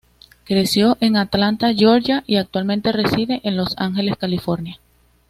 Creció en Atlanta, Georgia, y actualmente reside en Los Ángeles, California.